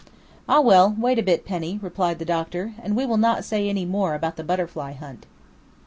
"Ah, well, wait a bit, Penny," replied the doctor; "and we will not say any more about the butterfly hunt."